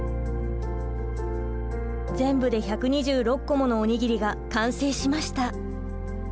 全部で１２６個ものおにぎりが完成しました。